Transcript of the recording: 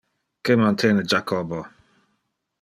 Que mantene Jacobo?